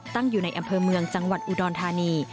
ตั้งอยู่ในอำเภอเมืองจังหวัดอุดรธานี